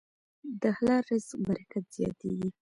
د حلال رزق برکت زیاتېږي.